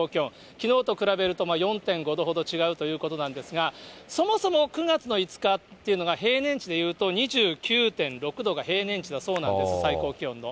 きのうと比べると４．５度ほど違うということなんですが、そもそも９月の５日っていうのが、平年値でいうと２９．６度が平年値だそうなんです、最高気温の。